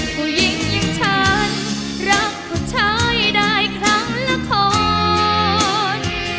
ผู้หญิงอย่างฉันรักผู้ชายได้ครั้งละคน